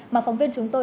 mà phóng viên chúng tôi